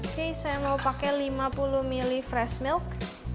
oke saya mau pakai lima puluh ml fresh milk